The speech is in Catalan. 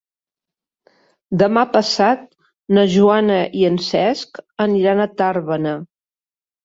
Demà passat na Joana i en Cesc aniran a Tàrbena.